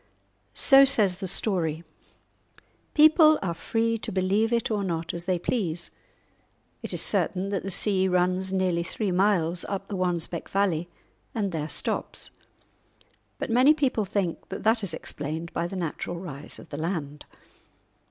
So says the story. People are free to believe it or not, as they please. It is certain that the sea runs nearly three miles up the Wansbeck valley, and there stops; but many people think that that is explained by the natural rise of the land!